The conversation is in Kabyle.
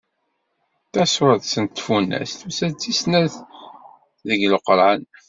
Tasuret n Tfunast tusa-d d tis snat deg Leqran.